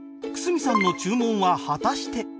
久住さんの注文は果たして